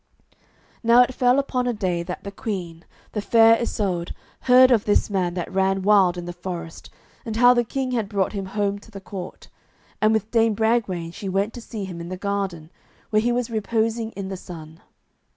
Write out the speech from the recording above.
Now it fell upon a day that the queen, the Fair Isoud, heard of this man that ran wild in the forest and how the king had brought him home to the court, and with Dame Bragwaine she went to see him in the garden, where he was reposing in the sun.